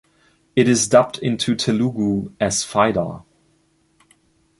It is dubbed into Telugu as Fida.